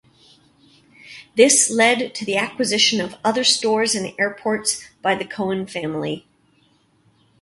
This lead to the acquisition of other stores in airports by the Cohen family.